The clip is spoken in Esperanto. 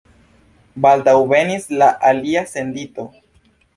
Baldaŭ venis la alia sendito.